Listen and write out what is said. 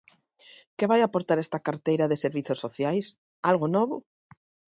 ¿Que vai aportar esta carteira de servizos sociais?, ¿algo novo?